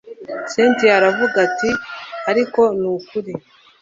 cyntia aravuga ati ariko nukuri